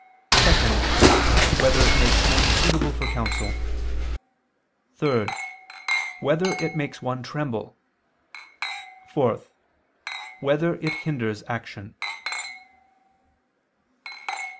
(2) Whether it makes men suitable for counsel? (3) Whether it makes one tremble? (4) Whether it hinders action?